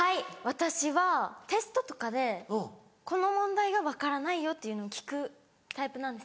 私はテストとかでこの問題が分からないよっていうのを聞くタイプなんです。